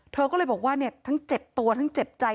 เธอก็เลยบอกว่าทั้งเจ็บตัวทั้งเจ็บใจ